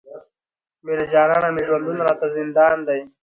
بې له جانانه مي ژوندون راته زندان دی،